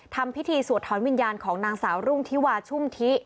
ทำพิธีสวดถอนวิญญาณของนางสาวรุ่งทิวาชุ่มทิ